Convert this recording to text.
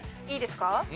いいですか？